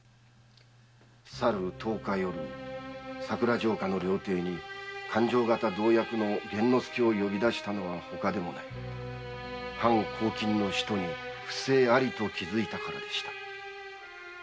去る十日夜佐倉城下の料亭に勘定方同役の玄之介を呼び出したのはほかでもない藩公金の使途に不正ありと気づいたからでした。